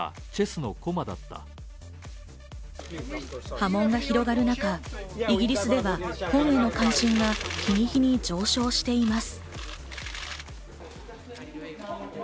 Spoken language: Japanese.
波紋が広がる中、イギリスでは本への関心が日に日に上昇しています。